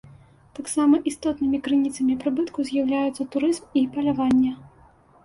Таксама істотнымі крыніцамі прыбытку з'яўляюцца турызм і паляванне.